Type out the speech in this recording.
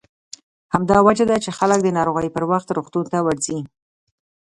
همدا وجه ده چې خلک د ناروغۍ پر وخت روغتون ته ورځي.